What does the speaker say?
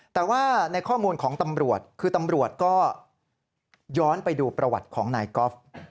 แต่ว่าในข้อมูลของตำรวจคือตำรวจก็ย้อนไปดูประวัติของนายกอล์ฟ